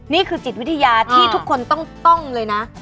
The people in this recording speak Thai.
นี่คือจิตวิทยาที่ทุกคนต้องเลยนะ